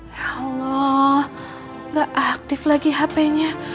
ya allah gak aktif lagi hp nya